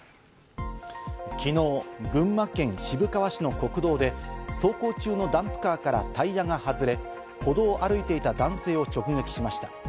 昨日、群馬県渋川市の国道で走行中のダンプカーからタイヤが外れ、歩道を歩いていた男性を直撃しました。